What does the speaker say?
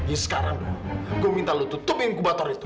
ini sekarang gue minta lo tutup inkubator itu